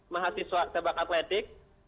mahasiswa sebak atletik